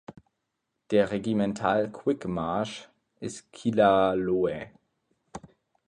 Der Regimental Quick March ist Killaloe.